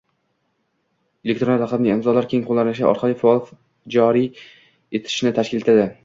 elektron raqamli imzolar keng qo’llanilishi orqali faol joriy etishni tashkil etadi.